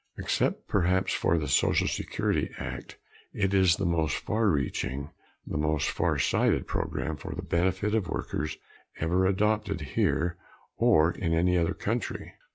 Except perhaps for the Social Security Act, it is the most far reaching, the most far sighted program for the benefit of workers ever adopted here or in any other country.